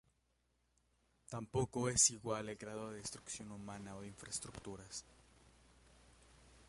Tampoco es igual el grado de destrucción humana o de infraestructuras.